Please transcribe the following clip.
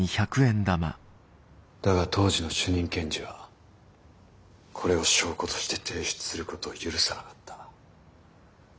だが当時の主任検事はこれを証拠として提出することを許さなかった。